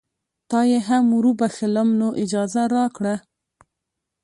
تا یې هم وروبخښلم نو اجازه راکړه.